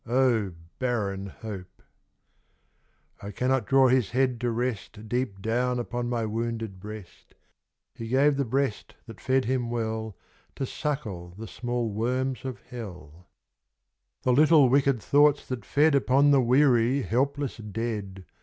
O barren hope ! I cannot draw his head to rest Deep down upon my wounded breast ... He gave the breast that fed him well To suckle the small worms of Hell. 49 The Mother. The little wicked thoughts that fed Upon the weary, helpless Dead